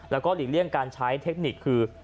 แล้วก็หลีกเลี่ยงการใช้เทคนิคคือ